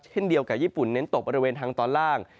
เช่นเดียวกับญี่ปุ่นเน้นตกบริเวณทางตอนล่าง